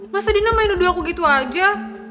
masa dina main main duduk aku gitu aja